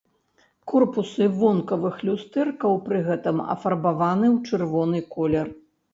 Корпусы вонкавых люстэркаў пры гэтым афарбаваныя ў чырвоны колер.